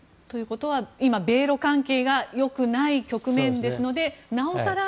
ということは今、米ロ関係がよくない局面ですのでなお更